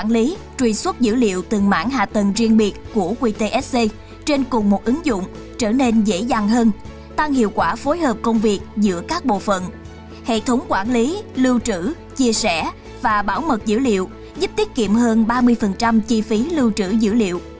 lưu trữ chia sẻ và bảo mật dữ liệu giúp tiết kiệm hơn ba mươi chi phí lưu trữ dữ liệu